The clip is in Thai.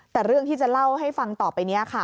แต่เรื่องที่จะเล่าให้ฟังต่อไปนี้ค่ะ